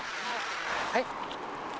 はい？